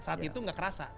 saat itu gak kerasa